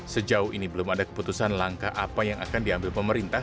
sejauh ini belum ada keputusan langkah apa yang akan diambil pemerintah